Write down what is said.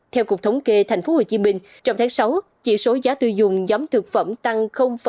theo cục thống kê tp hcm trong tháng sáu chỉ số giá tư dùng giám thực phẩm tăng ba mươi bảy